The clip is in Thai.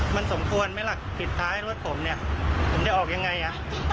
มันต้องทำใจมากกว่า